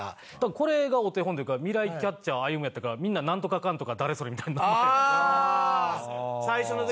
これがお手本というか「未来キャッチャー歩」やったからみんな「なんとかかんとか誰それ」みたいな名前。